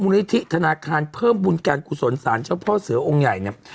ลิธิธนาคารเพิ่มบุญการกุศลสารเจ้าพ่อเสือองค์ใหญ่เนี่ย